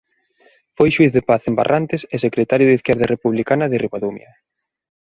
Foi xuíz de paz en Barrantes e secretario de Izquierda Republicana de Ribadumia.